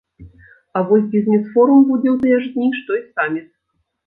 А вось бізнес-форум будзе ў тыя ж дні, што і саміт.